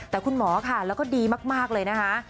แต่คุณหมอค่ะแล้วก็ดีมากเลยนะคะ